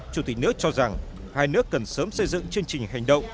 chủ tịch nước cho rằng hai nước cần sớm xây dựng chương trình hành động